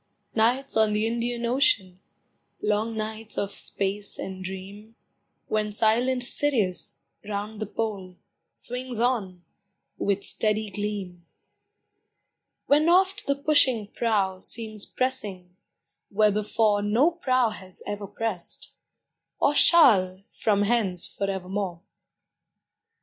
Nights on the Indian Ocean, Long nights of space and dream, When silent Sirius round the Pole Swings on, with steady gleam; When oft the pushing prow Seems pressing where before No prow has ever pressed or shall From hence forevermore.